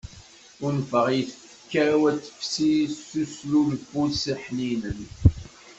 Unfeɣ i tfekka-w ad tefsi s uslufu-s ḥninen.